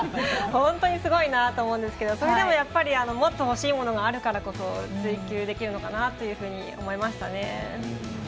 本当にすごいなと思うんですけどそれでもやっぱりもっとほしいものがあるからこそ追求できるのかなと思いましたね。